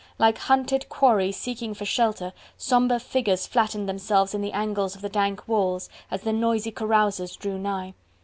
Like hunted quarry seeking for shelter, sombre figures flattened themselves in the angles of the dank walls, as the noisy carousers drew nigh.